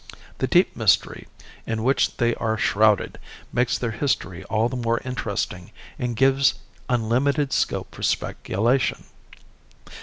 The deep mystery in which they are shrouded makes their history all the more interesting and gives unlimited scope for speculation.